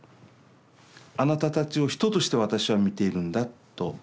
あなたたちを人として私は見ているんだと。